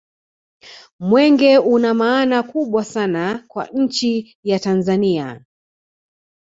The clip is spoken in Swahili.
mwenge una maana kubwa sana kwa nchi ya tanzania